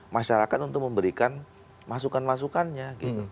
masyarakat untuk memberikan masukan masukannya gitu